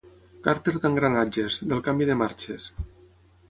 Càrter d'engranatges, del canvi de marxes.